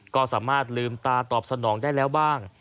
ก็สามารถลืมตาตอบสนองได้แล้วบ้าง